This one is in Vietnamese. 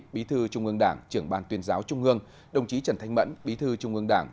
bí thư trung ương đảng trưởng ban tuyên giáo trung ương đồng chí trần thanh mẫn bí thư trung ương đảng